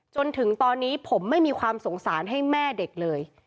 จนถึงตอนนี้ผมไม่มีความสงสารให้แม่เด็กเลย